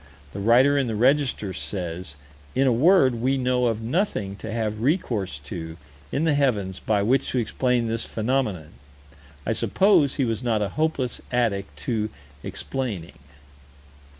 The writer in the Register says: "In a word, we know of nothing to have recourse to, in the heavens, by which to explain this phenomenon." I suppose he was not a hopeless addict to explaining.